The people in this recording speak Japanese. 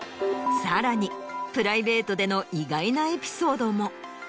さらにプライベートでの意外なエピソードも。